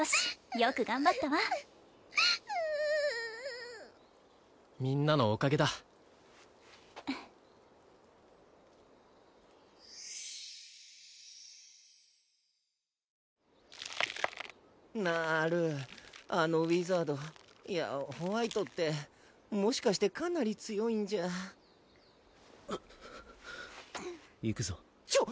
よく頑張ったわううみんなのおかげだなあアルあのウィザードいやホワイトってもしかしてかなり強いんじゃ行くぞちょっ